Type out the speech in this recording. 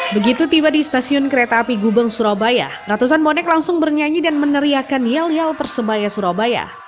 begitu tiba di stasiun kereta api gubeng surabaya ratusan bonek langsung bernyanyi dan meneriakan yel yel persebaya surabaya